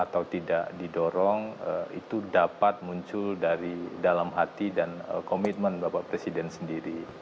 atau tidak didorong itu dapat muncul dari dalam hati dan komitmen bapak presiden sendiri